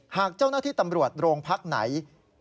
หากเจ้าหน้าที่ตำรวจโรงพักไหน